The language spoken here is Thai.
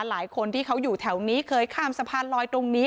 หลายคนที่เขาอยู่แถวนี้เคยข้ามสะพานลอยตรงนี้